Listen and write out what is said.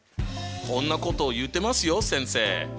こんなこと言ってますよ先生！